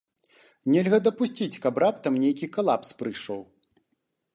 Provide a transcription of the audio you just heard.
Нельга дапусціць, каб раптам нейкі калапс прыйшоў.